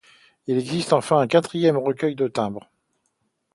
Il existe enfin un quatrième recueil de timbres.